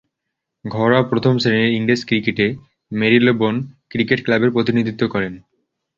ঘরোয়া প্রথম-শ্রেণীর ইংরেজ ক্রিকেটে মেরিলেবোন ক্রিকেট ক্লাবের প্রতিনিধিত্ব করেন।